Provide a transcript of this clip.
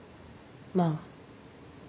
まあ。